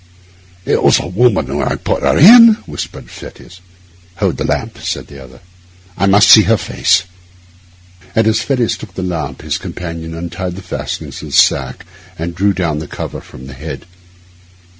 'It was a woman when we put her in,' whispered Fettes. 'Hold that lamp,' said the other. 'I must see her face.' And as Fettes took the lamp his companion untied the fastenings of the sack and drew down the cover from the head.